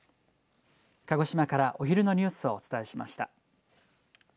鹿児島からお昼のニュースをお伝えしました。